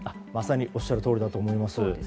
おっしゃるとおりと思います。